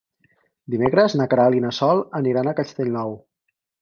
Dimecres na Queralt i na Sol aniran a Castellnou.